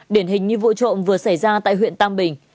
điển hình như vụ trộm vừa xảy ra tại huyện tam bình